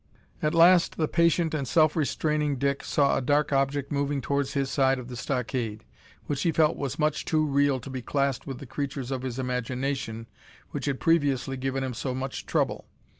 At last the patient and self restraining Dick saw a dark object moving towards his side of the stockade, which he felt was much too real to be classed with the creatures of his imagination which had previously given him so much trouble.